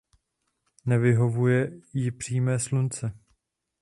Nevyhovuje jí přímé slunce.